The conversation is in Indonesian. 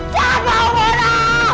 jangan bawa mona